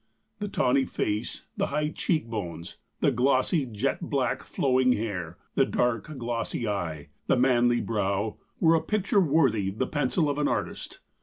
The tawny face, the high cheek bones, the glossy, jet black, flowing hair, the dark glossy eye, the manly brow, were a picture worthy the pencil of an artist.